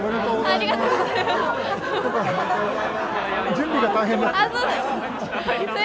ありがとうございます。